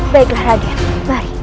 baiklah radia mari